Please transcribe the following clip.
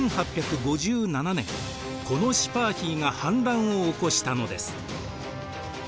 １８５７年このシパーヒーが反乱を起こしたのです。